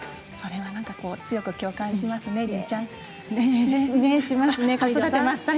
それは強く共感しますね。